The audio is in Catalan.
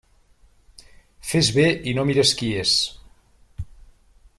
Fes bé i no mires qui és.